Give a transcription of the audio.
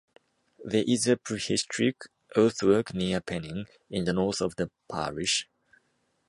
There is a prehistoric earthwork near Penning, in the north of the parish.